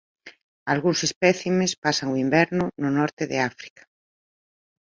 Algúns espécimes pasan o inverno no norte de África.